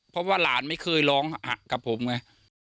เพราะว่าหลานไม่เคยร้องกับผมไง